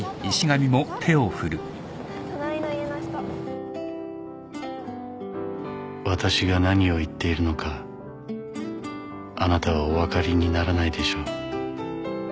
隣の家の人「私が何を言っているのかあなたはお分かりにならないでしょう」